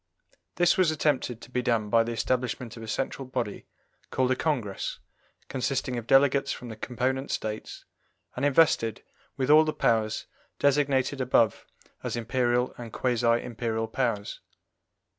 This was attempted to be done by the establishment of a central body called a Congress, consisting of delegates from the component States, and invested with all the powers designated above as Imperial and quasi Imperial powers.